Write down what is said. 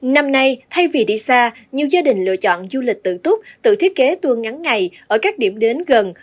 năm nay thay vì đi xa nhiều gia đình lựa chọn du lịch tự túc tự thiết kế tour ngắn ngày ở các điểm đến gần